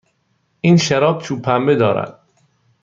این شراب چوب پنبه دارد.